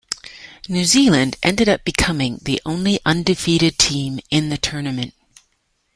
New Zealand ended up becoming the only 'undefeated' team in the tournament.